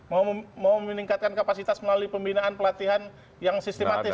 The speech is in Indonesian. mau meningkatkan kapasitas melalui pembinaan pelatihan yang sistematis